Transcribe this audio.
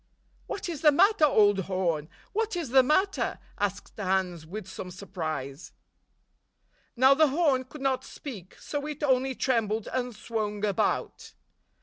"What is the matter, old horn? What is the matter?" asked Hans, with some surprise. Now the horn could not speak, so it only trembled and swung about.